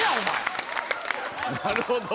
なるほど。